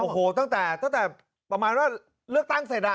โอ้โหตั้งแต่ตั้งแต่ประมาณว่าเลือกตั้งเสร็จ